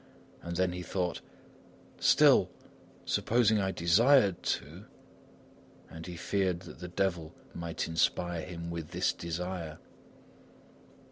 and then he thought: "Still, supposing I desired to? " and he feared that the devil might inspire him with this desire.